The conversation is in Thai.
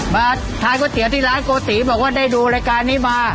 มาทานก๋วยเตี๋ยวที่ร้านโกติบอกว่าได้ดูรายการนี้มา